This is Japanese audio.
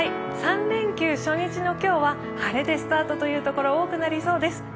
３連休初日の今日は晴れでスタートの所が多くなりそうです。